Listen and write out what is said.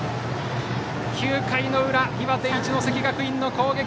９回の裏、岩手・一関学院の攻撃。